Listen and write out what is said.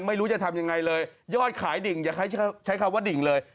ไม่รู้จะทำยังไงเลยยอดขายดิ่งอย่าใช้คำว่าดิ่งเลย